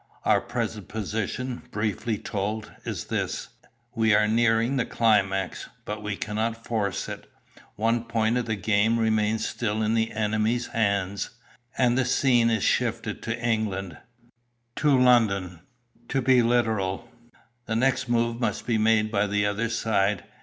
Our present position, briefly told, is this. We are nearing the climax, but we cannot force it. One point of the game remains still in the enemy's hands. And the scene is shifted to England to London, to be literal. The next move must be made by the other side.